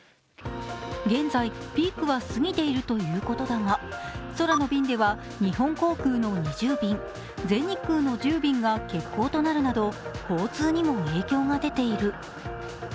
現在、ピークは過ぎているということだが空の便では日本航空の２０便、全日空の１０便が欠航となるなど交通にも影響が出ている。